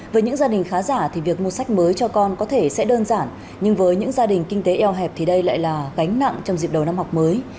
với những gia đình khá giả thì việc mua sách mới cho con có thể sẽ đơn giản nhưng với những gia đình kinh tế eo hẹp thì đây lại là gánh nặng trong dịp đầu năm học mới